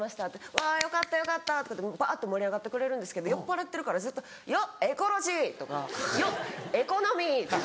「わよかったよかった」って盛り上がってくれるんですけど酔っぱらってるからずっと「よっエコロジー」とか「よっエコノミー」とか。